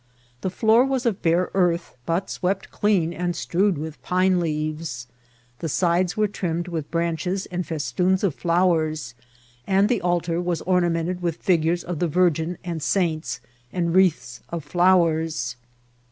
The floor was of bare earth, but swept clean and strewed with pine leaves ; the sides were trimmed with branch es and festoons of flowers, and the altar was ornament* ed with figures of the Virgin and saints, and wreaths of flowers.